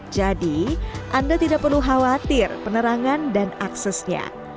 jadi anda tidak perlu khawatir penerangan dan aksesnya